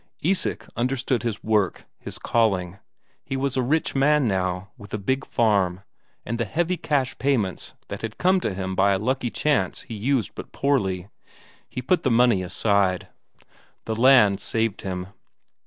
Isak understood his work, his calling. He was a rich man now, with a big farm, but the heavy cash payments that had come to him by a lucky chance he used but poorly; he put the money aside. The land saved him.